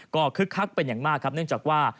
ก็คึกคักเป็นอย่างมากครับเนื่องจากว่า